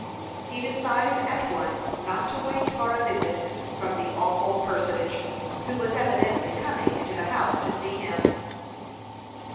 He decided at once not to wait for a visit from the awful personage, who was evidently coming into the house to see him.